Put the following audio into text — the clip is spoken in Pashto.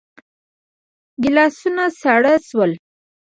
ګيلاسونه ساړه شول.